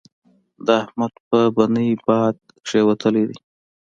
د احمد په بنۍ باد کېوتلی دی.